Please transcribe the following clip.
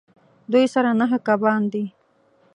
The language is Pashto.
دوی سره نهه کبان دي